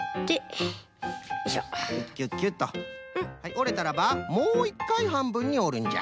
おれたらばもう１かいはんぶんにおるんじゃ。